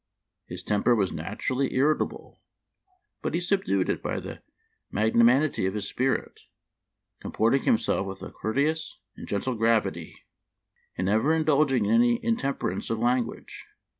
His temper was naturally irritable, but he subdued it by the magnanimity of his spirit, comporting himself with a courteous and gentle gravity, and never indulging in any intemperance of language.